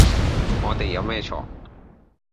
我哋有咩錯